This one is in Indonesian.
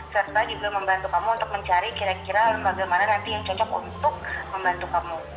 serta juga membantu kamu untuk mencari kira kira lembaga mana nanti yang cocok untuk membantu kamu